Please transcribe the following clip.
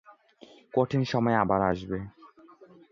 কঠিন সময় আবার আসবে।